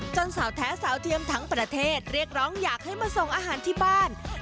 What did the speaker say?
สาวแท้สาวเทียมทั้งประเทศเรียกร้องอยากให้มาส่งอาหารที่บ้าน